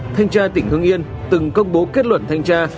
thanh tra tỉnh hưng yên từng công bố kết luận thanh tra